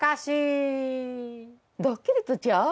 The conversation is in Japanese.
ドッキリとちゃう？